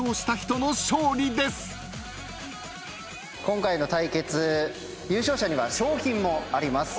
今回の対決優勝者には賞品もあります。